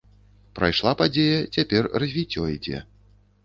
Прайшла падзея, цяпер развіццё ідзе.